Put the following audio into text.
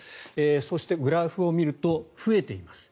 そして、グラフを見ると増えています。